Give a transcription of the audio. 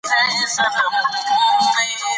هغه وویل چې هره ورځ یوه کیله خوړل وزن کنټرولوي.